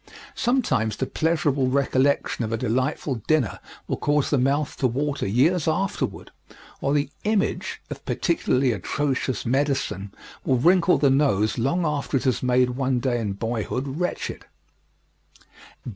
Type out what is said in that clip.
Sometimes the pleasurable recollection of a delightful dinner will cause the mouth to water years afterward, or the "image" of particularly atrocious medicine will wrinkle the nose long after it made one day in boyhood wretched.